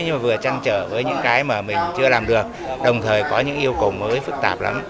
nhưng mà vừa trăn trở với những cái mà mình chưa làm được đồng thời có những yêu cầu mới phức tạp lắm